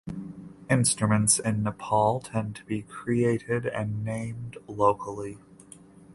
Instruments in Nepal tend to be created and named locally.